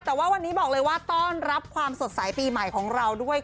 แต่ว่าวันนี้บอกเลยว่าต้อนรับความสดใสปีใหม่ของเราด้วย